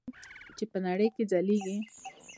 چې په نړۍ کې ځلیږي.